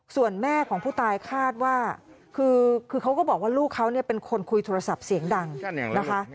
ส่วนแม่ของผู้ตายคาดว่าคือเขาก็บอกว่าลูกเขาเนี่ยเป็นคนคุยโทรศัพท์เสียงดังนะคะ